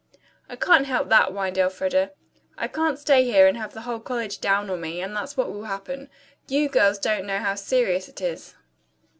"I can't help that," whined Elfreda. "I can't stay here and have the whole college down on me, and that's what will happen. You girls don't know how serious it is."